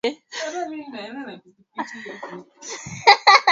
Unajua nini kuhusu uchumi wa blue